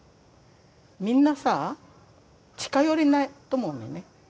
みんなさ近寄れないと思うのね。